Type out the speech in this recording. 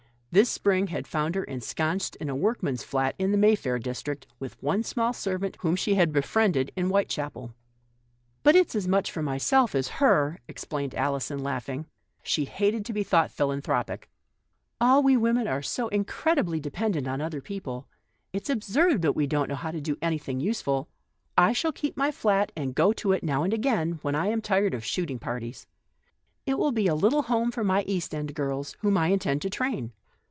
This spring had found her ensconced in a workman's flat in the Mayfair district, with one small servant whom she had rescued in Whitechapel. "But it's as much for myself as her," ex plained Alison, laughing. She hated to be thought philanthropic. " All we women are ALISON. 59 so incredibly dependent on other people. It's absurd that we do not know how to do any thing useful, I shall keep my flat, and go to it now and again, when I am tired of shoot ing parties. It will be a little home for my East End girls, whom I intend to train.